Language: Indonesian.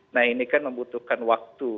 nah ini kan membutuhkan waktu